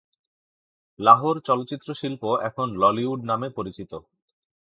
লাহোর চলচ্চিত্র শিল্প এখন ললিউড নামে পরিচিত।